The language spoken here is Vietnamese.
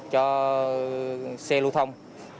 cho xe lưu thông